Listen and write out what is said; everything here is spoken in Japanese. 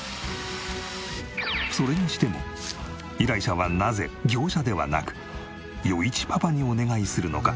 それにしても依頼者はなぜ業者ではなく余一パパにお願いするのか？